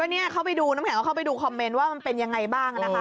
น้ำแข็งเข้าไปดูคอมเมนต์ว่ามันเป็นอย่างไรบ้าง